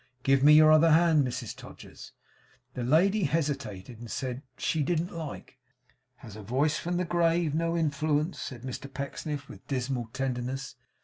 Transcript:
Give me your other hand, Mrs Todgers.' The lady hesitated, and said 'she didn't like.' 'Has a voice from the grave no influence?' said Mr Pecksniff, with, dismal tenderness.